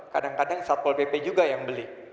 kadang kadang satpol pp juga yang beli